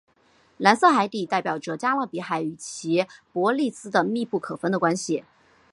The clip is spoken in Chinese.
海蓝底色代表着加勒比海与其对伯利兹的密不可分的关系。